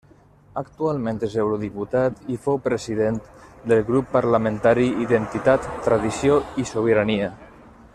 Actualment és eurodiputat i fou president del grup parlamentari Identitat, Tradició i Sobirania.